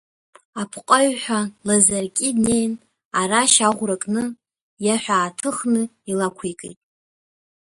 Апҟаҩҳәа Лазаркьи днеин арашь аӷәра кны, иаҳәа ааҭыхны илақәикит.